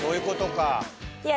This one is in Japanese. いや